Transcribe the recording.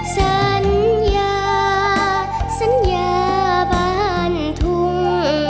สัญญาสัญญาบ้านทุ่ง